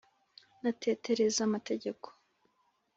natetereza amategeko